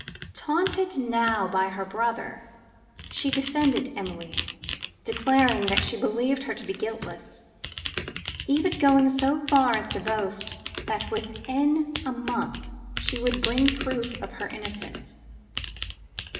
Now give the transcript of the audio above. Taunted now by her brother, she defended Emilie, declaring that she believed her to be guiltless, even going so far as to boast that within a month she would bring proof of her innocence."